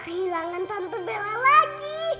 kehilangan tante bella lagi